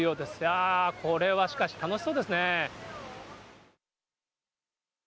あー、これはしかし楽しそうですね。